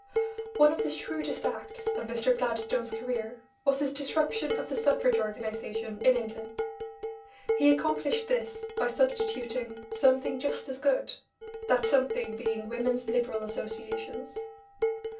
One of the shrewdest acts of Mr. Gladstone's career was his disruption of the suffrage organisation in England. He accomplished this by substituting "something just as good," that something being Women's Liberal Associations.